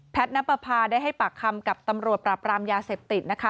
นับประพาได้ให้ปากคำกับตำรวจปราบรามยาเสพติดนะคะ